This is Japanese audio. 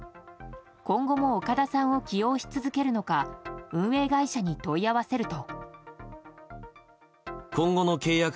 今後も岡田さんを起用し続けるのか運営会社に問い合わせると。